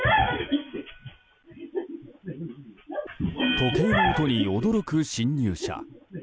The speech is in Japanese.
時計の音に驚く侵入者。